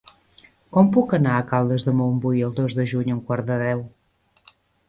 Com puc anar a Caldes de Montbui el dos de juny a un quart de deu?